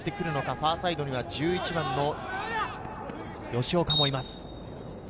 ファーサイドには吉岡もいます。